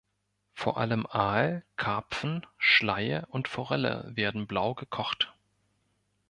Vor allem Aal, Karpfen, Schleie und Forelle werden blau gekocht.